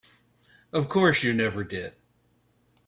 Of course you never did.